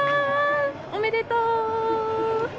おめでとう！